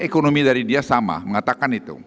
ekonomi dari dia sama mengatakan itu